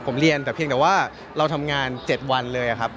ผมเรียนแต่เพียงแต่ว่าเราทำงาน๗วันเลยครับ